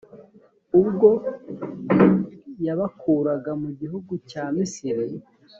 ubwo yabakuraga mu gihugu cya misiri.